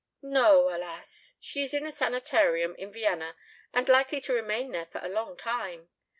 "No, alas! She is in a sanitarium in Vienna and likely to remain there for a long time.